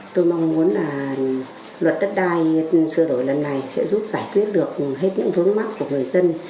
tôi mong muốn là luật đất đai sửa đổi lần này sẽ giúp giải quyết được hết những vướng mắt của người dân